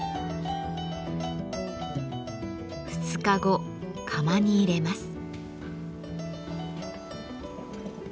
２日後窯に入れます。